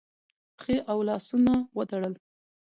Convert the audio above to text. پښې او لاسونه وتړل